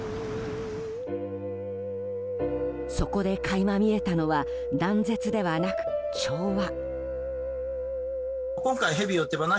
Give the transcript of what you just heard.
そこで垣間見えたのは断絶ではなく調和。